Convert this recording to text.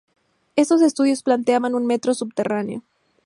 Estos estudios planteaban un metro subterráneo.